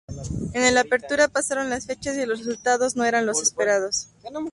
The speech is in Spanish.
En el Apertura, pasaron las fechas y los resultados no eran los esperados.